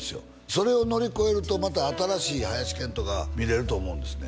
それを乗り越えるとまた新しい林遣都が見れると思うんですね